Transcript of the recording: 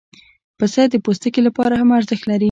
پسه د پوستکي لپاره هم ارزښت لري.